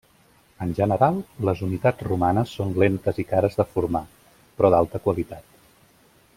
En general les unitats romanes són lentes i cares de formar, però d'alta qualitat.